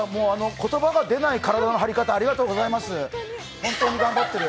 言葉が出ない体の張り方、ありがとうございます。